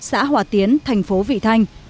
xã hòa tiến thành phố vị thanh